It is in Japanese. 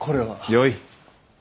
よい。